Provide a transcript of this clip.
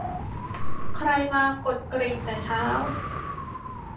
ใครมากดกริ่งแต่เช้า